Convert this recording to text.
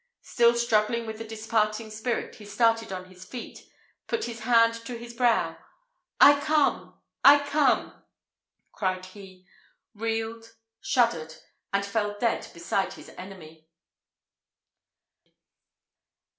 Still struggling with the departing spirit, he started on his feet put his hand to his brow. "I come! I come!" cried he reeled shuddered and fell dead beside his enemy.